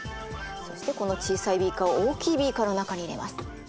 そしてこの小さいビーカーを大きいビーカーの中に入れます。